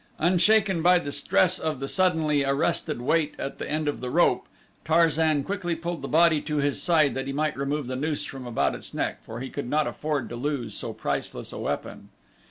Unshaken by the stress of the suddenly arrested weight at the end of the rope, Tarzan quickly pulled the body to his side that he might remove the noose from about its neck, for he could not afford to lose so priceless a weapon.